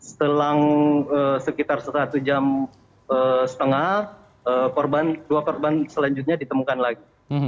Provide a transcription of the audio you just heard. setelah sekitar satu jam setengah dua korban selanjutnya ditemukan lagi